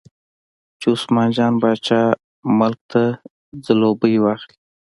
چې عثمان جان باچا ملک ته ځلوبۍ واخلي.